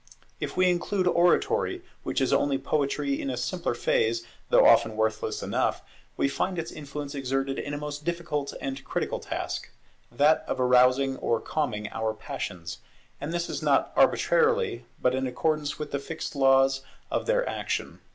If we include oratory, which is only Poetry in a simpler phase, though often worthless enough, we find its influence exerted in a most difficult and critical task, that of arousing or calming our passions; and this not arbitrarily, but in accordance with the fixed laws of their action.